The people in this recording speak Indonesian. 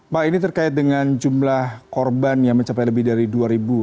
pak ini terkait dengan jumlah korban yang mencapai lebih dari dua